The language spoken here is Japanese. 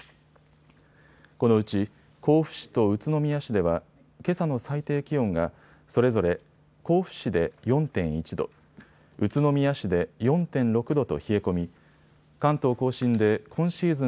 このうち、甲府市と宇都宮市ではけさの最低気温がそれぞれ甲府市で４．１度、宇都宮市で４．６度と冷え込み関東甲信で今シーズン